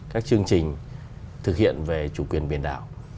các chương trình thực hiện về chủ quyền biển đảo